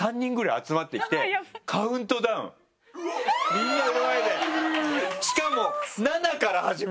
みんなの前でしかも。